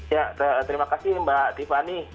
ya terima kasih mbak tiffany